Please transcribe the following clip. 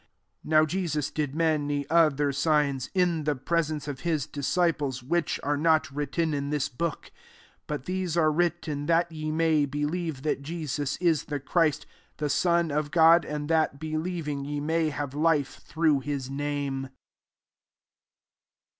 30 NOW Jesus did many other signs in the presence of his disciples, which are not written in this book: 31 but these are written, that ye may believe that Jesus is the Christ, the Son of God ; and that, be» lieving, ye may have life through his name.